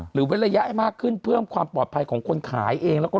เว้นระยะให้มากขึ้นเพิ่มความปลอดภัยของคนขายเองแล้วก็